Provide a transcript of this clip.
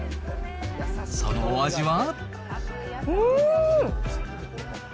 そのお味は？